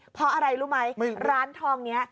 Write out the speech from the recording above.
เพราะอะไรรู้ไหมร้านทองนี้